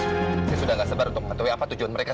saya sudah gak sebar untuk mengatui apa tujuan mereka